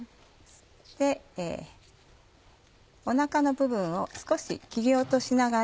でおなかの部分を少し切り落としながら。